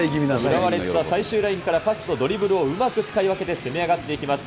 浦和レッズは最終ラインからパスとドリブルをうまく使い分けて攻め上がっていきます。